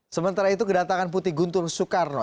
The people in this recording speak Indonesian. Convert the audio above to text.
sementara itu kedatangan putih guntur soekarno